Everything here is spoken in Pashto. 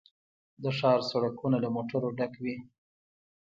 د ښار سړکونه له موټرو ډک وي